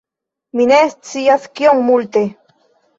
Mi ne scias kiom multe